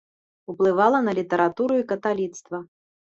Уплывала на літаратуру і каталіцтва.